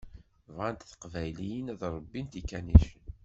Bɣant teqbayliyin ad ṛebbint ikanicen.